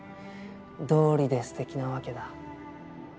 どうりですてきなわけだ。